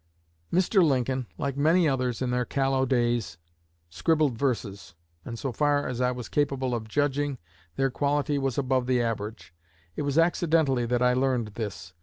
"Mr. Lincoln, like many others in their callow days, scribbled verses; and so far as I was capable of judging, their quality was above the average. It was accidentally that I learned this.